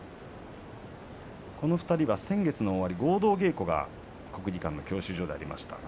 この２人、先月合同稽古が国技館の教習所でありました。